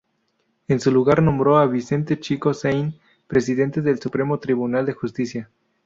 En su lugar nombró a Vicente Chico Sein, presidente del Supremo Tribunal de Justicia.